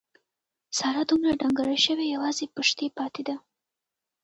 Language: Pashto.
ساره دومره ډنګره شوې یوازې پښتۍ پاتې ده.